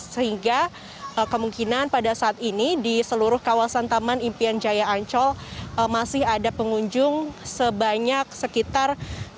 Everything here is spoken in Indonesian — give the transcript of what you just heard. sehingga kemungkinan pada saat ini di seluruh kawasan taman impian jaya ancol masih ada pengunjung sebanyak sekitar